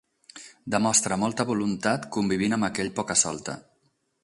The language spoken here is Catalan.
Demostra molta voluntat convivint amb aquell poca-solta.